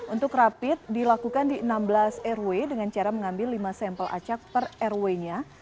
untuk rapid dilakukan di enam belas rw dengan cara mengambil lima sampel acak per rw nya